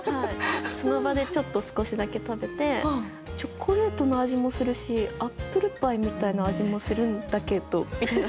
その場でちょっと少しだけ食べて「チョコレートの味もするしアップルパイみたいな味もするんだけど」みたいな。